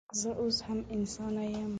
زه اوس هم انسانه یم